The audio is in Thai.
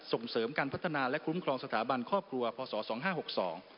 ส่งเสริมการพัฒนาและคลุมครองสถาบันข้อบครัวพศ๒๕๖๒